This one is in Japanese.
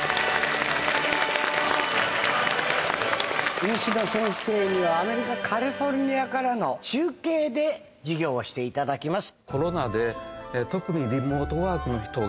西野先生にはアメリカカリフォルニアからの中継で授業をしていただきます。